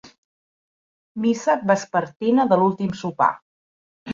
Missa vespertina de l'últim sopar.